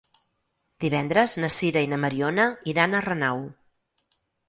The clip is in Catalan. Divendres na Sira i na Mariona iran a Renau.